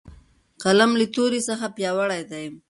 قلم له تورې څخه پیاوړی دی.